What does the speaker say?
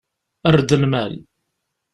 Err-d lmal.